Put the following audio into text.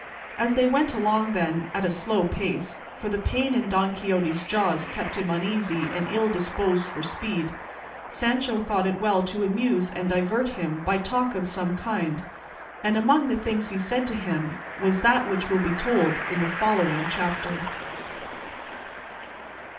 As they went along, then, at a slow pace for the pain in Don Quixote's jaws kept him uneasy and ill disposed for speed Sancho thought it well to amuse and divert him by talk of some kind, and among the things he said to him was that which will be told in the following chapter.